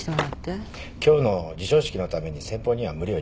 今日の授賞式のために先方には無理を言ってますので。